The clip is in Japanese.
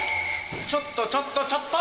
ちょっとちょっとちょっと！